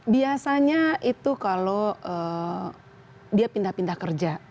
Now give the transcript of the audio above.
biasanya itu kalau dia pindah pindah kerja